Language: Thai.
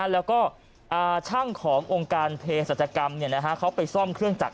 แล้วก็ช่างขององค์การเพศรัชกรรมเขาไปซ่อมเครื่องจักร